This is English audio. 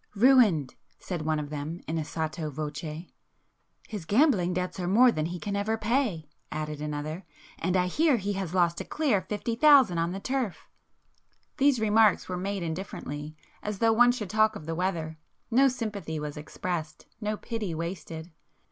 "Ruined!" said one of them in a sotto voce. "His gambling debts are more than he can ever pay"—added another—"And I hear he has lost a clear fifty thousand on the turf." These remarks were made indifferently, as though one should talk of the weather,—no sympathy was expressed,—no pity wasted.